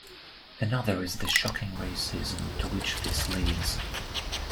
Another is the shocking racism to which this leads.